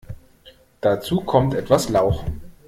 Dazu kommt etwas Lauch.